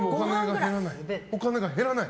お金が減らない？